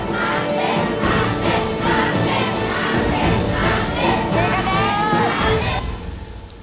๓๐คะแนน